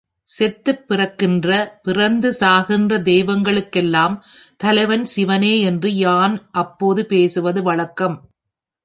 செத்துப் பிறக்கின்ற பிறந்து சாகின்ற தெய்வங்களுக்கெல்லாம் தலைவன் சிவனே என்று யான் அப்போது பேசுவது வழக்கம்.